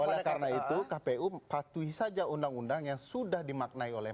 oleh karena itu kpu patuhi saja undang undang yang sudah dimaknai oleh